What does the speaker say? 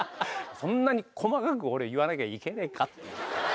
そんなに細かく俺言わなきゃいけねえか？